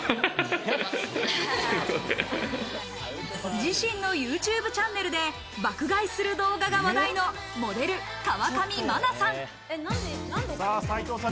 自身のＹｏｕＴｕｂｅチャンネルで爆買いする動画が話題のモデル、川上愛さん。